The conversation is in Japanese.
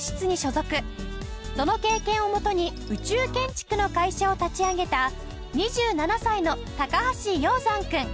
その経験を元に宇宙建築の会社を立ち上げた２７歳の橋鷹山くん。